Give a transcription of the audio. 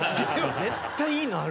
絶対いいのあるよ。